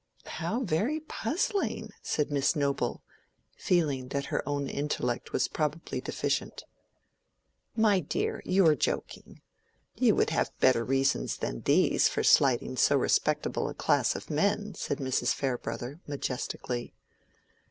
"How very puzzling!" said Miss Noble, feeling that her own intellect was probably deficient. "My dear, you are joking. You would have better reasons than these for slighting so respectable a class of men," said Mrs. Farebrother, majestically.